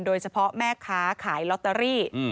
โดยเฉพาะแม่ค้าขายลอตเตอรี่